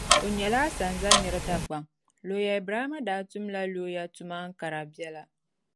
O nyɛla asanza nira Dagbaŋ. Looya Ibrahima daa tumla looya tuma Ankara biɛla.